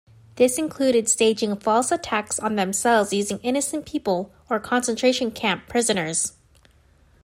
This included staging false attacks on themselves using innocent people or concentration camp prisoners.